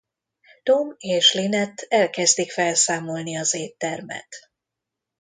Tom és Lynette elkezdik felszámolni az éttermet.